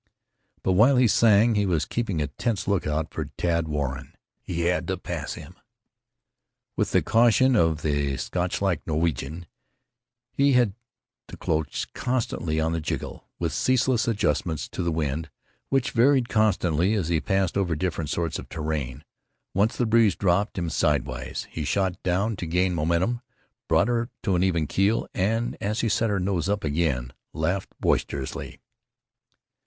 But while he sang he was keeping a tense lookout for Tad Warren. He had to pass him! With the caution of the Scotchlike Norwegian, he had the cloche constantly on the jiggle, with ceaseless adjustments to the wind, which varied constantly as he passed over different sorts of terrain. Once the breeze dropped him sidewise. He shot down to gain momentum, brought her to even keel, and, as he set her nose up again, laughed boisterously.